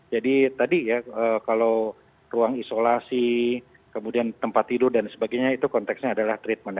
jadi tadi ya kalau ruang isolasi kemudian tempat tidur dan sebagainya itu konteksnya adalah treatment